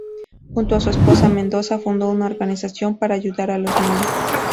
Junto a su esposa, Mendoza fundó una organización para ayudar a los niños.